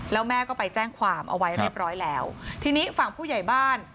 แล้วแม่ก็ไปแจ้งความเอาไว้เรียบร้อยแล้วทีนี้ฝั่งผู้ใหญ่บ้าน